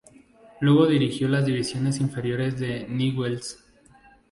Luego, dirigió las divisiones inferiores de Newell's.